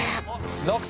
６点。